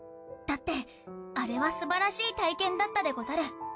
だってあれはすばらしい体験だったでござる。